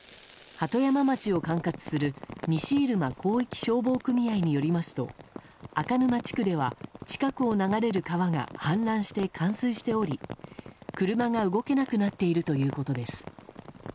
鳩山町を管轄する西入間広域消防組合によりますと赤沼地区では近くを流れる川が氾濫して冠水しており車が動けなくなっているということです。